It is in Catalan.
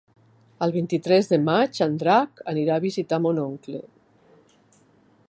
El vint-i-tres de maig en Drac anirà a visitar mon oncle.